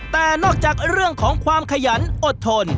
แต่นอกจากเรื่องของความขยันอดทน